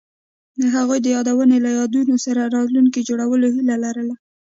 هغوی د یادونه له یادونو سره راتلونکی جوړولو هیله لرله.